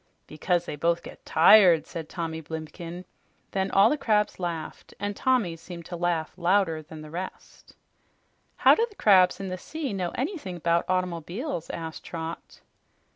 "Because they both get tired," said Tommy Blimken. Then all the crabs laughed, and Tommy seemed to laugh louder than the rest. "How do the crabs in the sea know anything 'bout automobiles?" asked Trot.